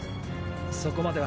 そこまでは。